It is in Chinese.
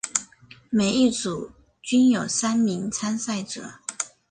每一组均有三名参赛者。